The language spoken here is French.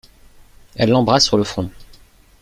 Elle l’embrasse sur le front.